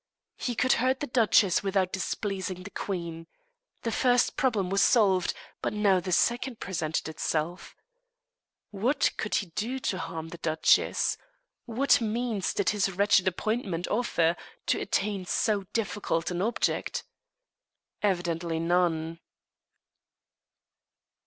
He could hurt the duchess without displeasing the queen. The first problem was solved; but now the second presented itself. What could he do to harm the duchess? What means did his wretched appointment offer to attain so difficult an object? Evidently none.